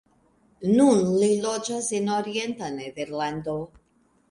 Nun li loĝas en orienta Nederlando.